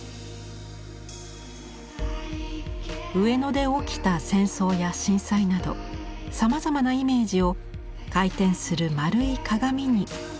上野で起きた戦争や震災などさまざまなイメージを回転する丸い鏡に反射させているのです。